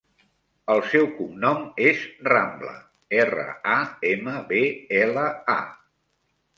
El seu cognom és Rambla: erra, a, ema, be, ela, a.